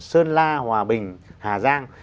sơn la hòa bình hà giang